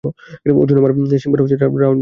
অর্জুন আর সিম্বার খাওয়ার রাউন্ড বিজয়ী!